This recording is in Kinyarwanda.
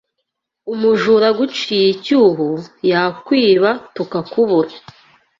Umujura aguciye icyuho yakwiba tukakubura